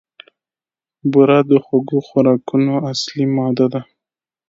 بوره د خوږو خوراکونو اصلي ماده ده.